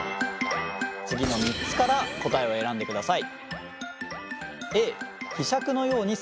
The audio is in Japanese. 次の３つから答えを選んでください。